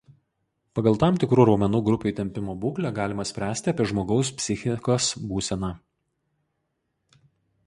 Pagal tam tikrų raumenų grupių įtempimo būklę galima spręsti apie žmogaus psichikos būseną.